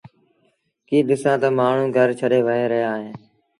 ڪيٚ ڏسآݩ مآڻهوٚݩ گھر ڇڏي وهي رهيآ اهيݩ